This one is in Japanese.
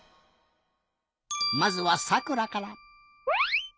まずはさくらから。